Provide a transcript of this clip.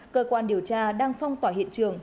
cơ quan điều tra đang phong tỏa hiện trường